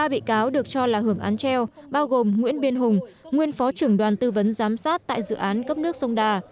ba bị cáo được cho là hưởng án treo bao gồm nguyễn biên hùng nguyên phó trưởng đoàn tư vấn giám sát tại dự án cấp nước sông đà